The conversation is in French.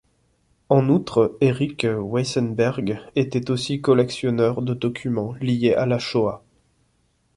En outre, Eric Weissenberg était aussi collectionneur de documents liés à la Shoah.